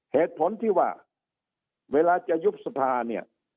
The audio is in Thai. เหตุผลที่ว่าเวลาจะยุบสภาเนี่ย